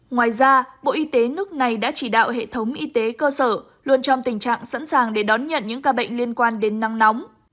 ngoài ra bộ y tế nước này đã chỉ đạo hệ thống y tế cơ sở luôn trong tình trạng sẵn sàng để đón nhận những ca bệnh liên quan đến năng nóng